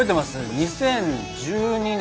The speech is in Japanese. ２０１２年。